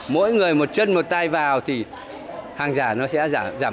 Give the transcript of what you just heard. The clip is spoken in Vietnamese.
mỗi người một chân một tay vào thì hàng giả nó sẽ giảm